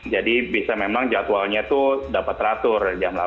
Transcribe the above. jadi bisa memang jadwalnya tuh dapat teratur dari jam delapan sampai jam dua belas